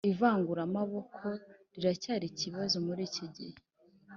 ivanguramoko riracyari ikibazo muri iki gihe,